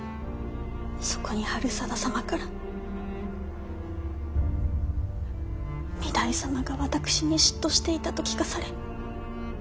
そこに治済様から御台様が私に嫉妬していたと聞かされ。